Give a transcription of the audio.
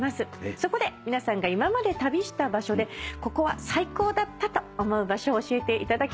そこで皆さんが今まで旅した場所でここは最高だったと思う場所を教えていただきたいなと思います。